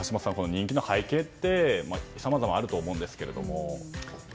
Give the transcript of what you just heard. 人気の背景ってさまざまあると思うんですが。